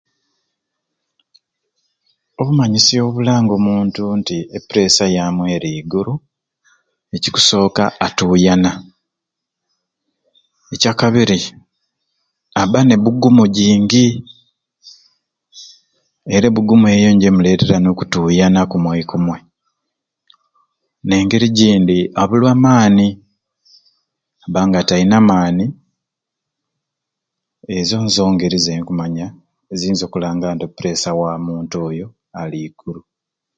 Obumanyisyo obulanga omuntu nti e puresya yamwei eri iguru ekikusoka atuyana, ekyakabiri abba nebugumu jingi era ebugumu eyo niyo emuletera nokutuyana kumwei kumwei nengeri ejindi abulwa amaani abba nga tayina maani, ezo nzo ngeri zenkumanya eziyinza okulanga nti o puresa w'amuntu oyo ali iguru.